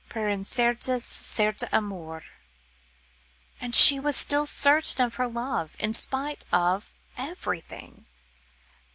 "Per incertas, certa amor." And she was still certain of her love in spite of everything!